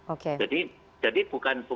oke jadi bukan